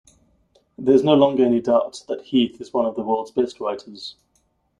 There's no longer any doubt that Heath is one of the world's best writers.